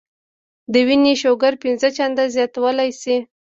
د وينې شوګر پنځه چنده زياتولے شي -